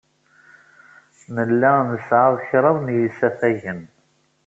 Nella nesɛa kraḍ n yisafagen.